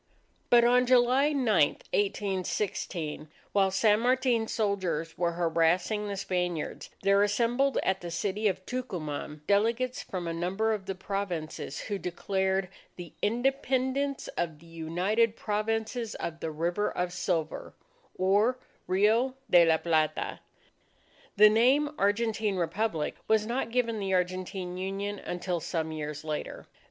But on July 9, 1816, while San Martin's soldiers were harassing the Spaniards, there assembled at the city of Tucuman, delegates from a number of the Provinces, who declared the "Independence of the United Provinces of the River of Silver (or Rio de la Plata)." The name "Argentine Republic" was not given the Argentine Union until some years later.